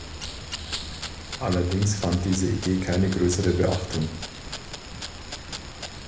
Allerdings fand diese Idee keine größere Beachtung.